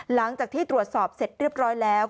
หลังจากที่ตรวจสอบเสร็จเรียบร้อยแล้ว